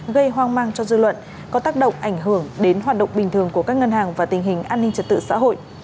gây hoang mang cho dư luận có tác động ảnh hưởng đến hoạt động bình thường của các ngân hàng và tình hình an ninh trật tự xã hội